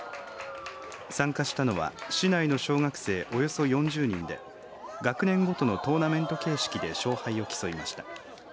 参加したのは市内の小学生およそ４０人で学年ごとのトーナメント形式で勝敗を競いました。